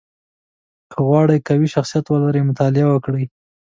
• که غواړې قوي شخصیت ولرې، مطالعه وکړه.